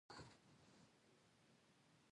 ځاځی میدان د خوست د تفریحی سیمو څخه ده.